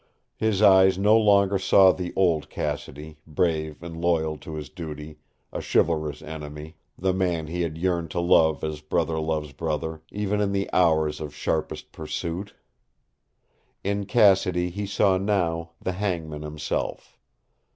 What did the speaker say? His eyes no longer saw the old Cassidy, brave and loyal to his duty, a chivalrous enemy, the man he had yearned to love as brother loves brother, even in the hours of sharpest pursuit. In Cassidy he saw now the hangman himself.